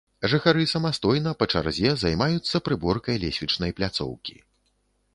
Жыхары самастойна, па чарзе, займаюцца прыборкай лесвічнай пляцоўкі.